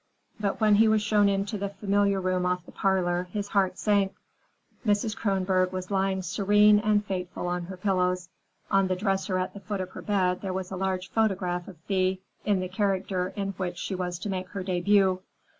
But when he was shown into the familiar room off the parlor, his heart sank. Mrs. Kronborg was lying serene and fateful on her pillows. On the dresser at the foot of her bed there was a large photograph of Thea in the character in which she was to make her debut.